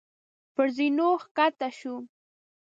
پر زينو کښته شو.